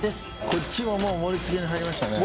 こっちももう盛りつけに入りましたね